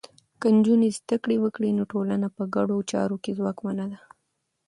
که نجونې زده کړه وکړي، نو ټولنه په ګډو چارو کې ځواکمنه ده.